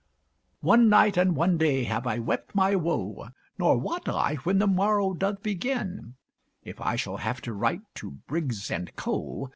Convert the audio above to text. One night and one day have I wept my woe; Nor wot I, when the morrow doth begin, If I shall have to write to Briggs & Co.